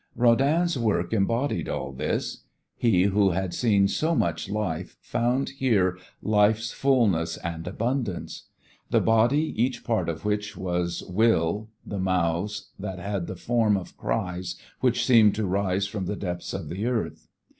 Rodin's work embodied all this. He who had seen so much life found here life's fulness and abundance: the body each part of which was will, the mouths, that had the form of cries which seemed to rise from the depths of the earth.